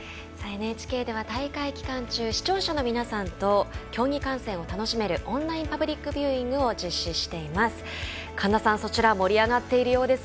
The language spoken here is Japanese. ＮＨＫでは大会期間中視聴者の皆さんと競技観戦を楽しめるオンラインパブリックビューイングを開催しています。